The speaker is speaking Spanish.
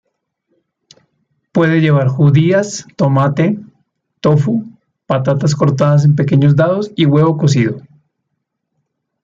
Puede llevar judías, tomate, tofu, patatas cortadas en pequeños dados y huevo cocido.